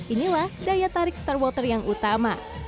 inilah daya tarik starwater yang utama